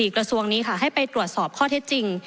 ๔กระทบนี้ให้ไปตรวจสอบข้อเท็จจริง